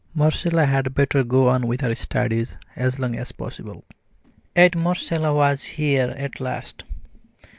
Marcella had better go on with her studies as long as possible. Yet Marcella was here at last.